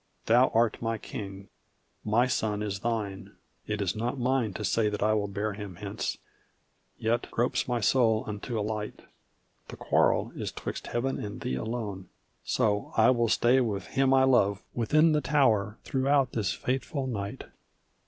"Thou art my king; my son is thine. It is not mine to say That I will bear him hence. Yet gropes my soul unto a light; The quarrel is 'twixt Heaven and thee alone so I will stay With him I love within the tower throughout this fateful night."